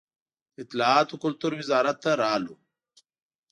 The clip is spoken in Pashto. د اطلاعات و کلتور وزارت ته راغلو.